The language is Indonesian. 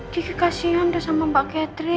kiki kasihan deh sama mbak ketri